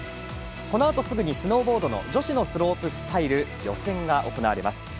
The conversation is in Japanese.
このあとすぐスノーボード女子スロープスタイル予選が行われます。